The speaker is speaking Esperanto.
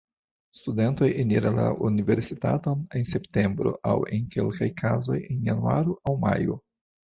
Studentoj eniras la universitaton en septembro, aŭ, en kelkaj kazoj, en januaro aŭ majo.